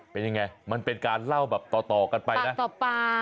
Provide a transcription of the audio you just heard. เป็นยังไงมันเป็นการเล่าต่อกันไปนะปั๊บปั๊บ